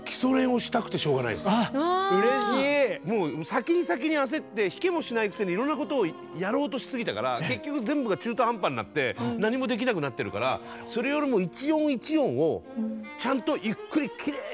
先に先に焦って弾けもしないくせにいろんなことをやろうとしすぎたから結局全部が中途半端になって何もできなくなってるからそれよりもを今やりたいですね。